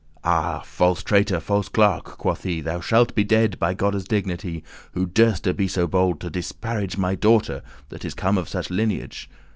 Ah, false traitor, false clerk," quoth he, "Thou shalt be dead, by Godde's dignity, Who durste be so bold to disparage* *disgrace My daughter, that is come of such lineage?"